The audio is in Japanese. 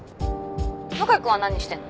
向井君は何してんの？